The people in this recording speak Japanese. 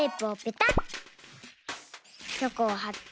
チョコをはって。